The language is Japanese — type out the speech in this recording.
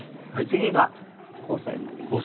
次が交差になります。